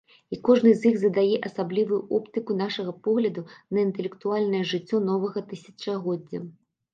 І кожны з іх задае асаблівую оптыку нашага погляду на інтэлектуальнае жыццё новага тысячагоддзя.